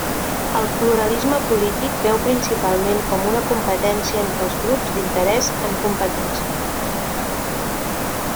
El pluralisme polític veu principalment com una competència entre els grups d'interès en competència.